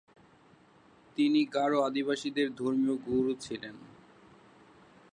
তিনি গারো আদিবাসীদের ধর্মীয় গুরু ছিলেন।